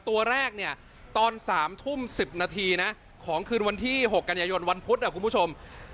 ตัวแรกเนี่ยตอน๓ทุ่ม๑๐นาทีนะของคืนวันที่๖กันยายนวันพุธคุณผู้ชม